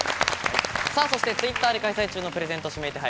そしてＴｗｉｔｔｅｒで開催中のプレゼント指名手配。